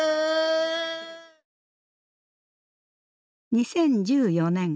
２０１４年。